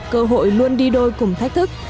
cơ hội luôn đi đôi cùng thách thức